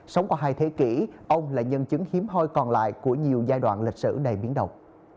sống qua hai thế kỷ ông là nhân chứng hiếm hoi còn lại của nhiều giai đoạn lịch sử đầy biến động